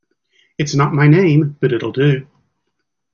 It's not my name but it'll do.